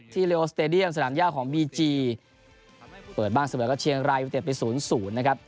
ที่เรียลสเตดียมสนามยาวของบีจีเปิดบ้านเสมอกับเชียงรายวิเตศไปศูนย์ศูนย์นะครับ